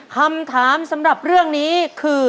คำถามสำหรับเรื่องนี้คือ